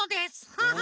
ハハハ！